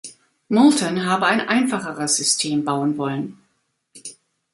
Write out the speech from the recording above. Moulton habe ein einfacheres System bauen wollen.